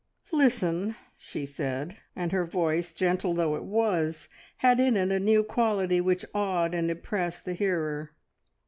"Listen," she said, and her voice, gentle though it was, had in it a new quality which awed and impressed the hearer.